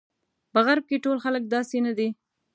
په غرب کې ټول خلک داسې نه دي.